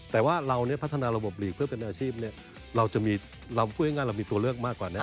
แต่ว่าเราเนี่ยพัฒนาระบบหลีกเพื่อเป็นอาชีพเราจะมีเราพูดง่ายเรามีตัวเลือกมากกว่านี้